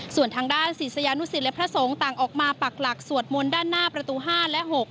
ส่วนทางด้านศิษยานุสิตและพระสงฆ์ต่างออกมาปักหลักสวดมนต์ด้านหน้าประตู๕และ๖